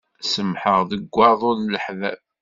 Semmḥeɣ deg waḍu n leḥbab.